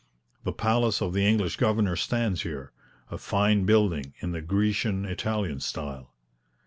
The palace of the English governor stands here; a fine building in the Grecian Italian style.